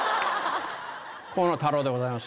河野太郎でございます。